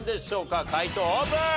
解答オープン！